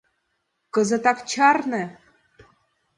Кызытак чарне!